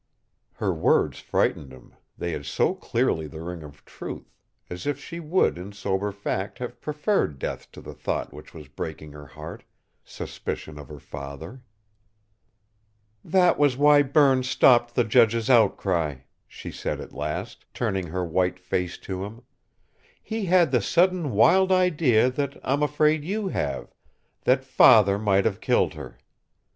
Her words frightened him, they had so clearly the ring of truth, as if she would in sober fact have preferred death to the thought which was breaking her heart suspicion of her father. "That was why Berne stopped the judge's outcry," she said at last, turning her white face to him; "he had the sudden wild idea that I'm afraid you have that father might have killed her.